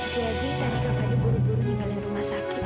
jadi tadi kak fadil buru buru meninggalin rumah sakit